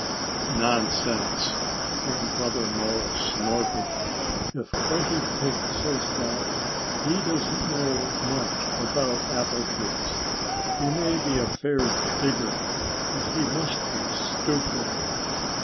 "Nonsense!" Grandfather Mole snorted. "If Grunty Pig says that, he doesn't know much about apple trees. He may be a fair digger; but he must be stupid."